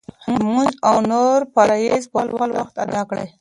لمونځ او نور فرایض په خپل وخت ادا کړه.